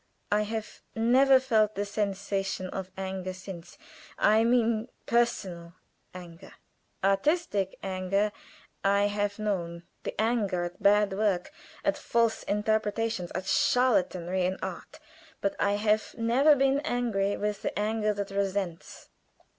I have never felt the sensation of anger since I mean personal anger. Artistic anger I have known; the anger at bad work, at false interpretations, at charlatanry in art; but I have never been angry with the anger that resents.